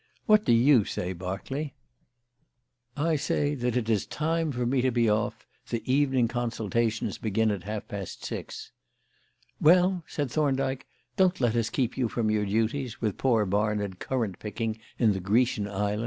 What do you say, Berkeley?" "I say that it is time for me to be off; the evening consultations begin at half past six." "Well," said Thorndyke, "don't let us keep you from your duties, with poor Barnard currant picking in the Grecian Isles.